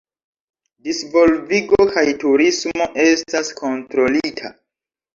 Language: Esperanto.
Disvolvigo kaj turismo estas kontrolita.